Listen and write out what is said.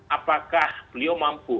apakah beliau mampu